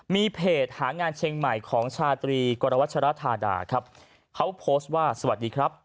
มีเพจหางานเชียงใหม่ของชาตรีกรวัชรธาดาครับเขาโพสต์ว่าสวัสดีครับ